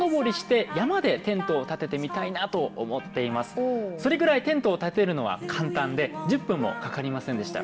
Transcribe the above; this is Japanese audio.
それぐらいテントを立てるのは簡単で１０分もかかりませんでした。